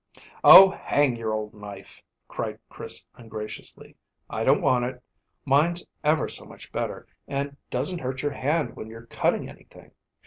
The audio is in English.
"Oh, hang your old knife!" cried Chris ungraciously. "I don't want it. Mine's ever so much better, and doesn't hurt your hand when you're cutting anything.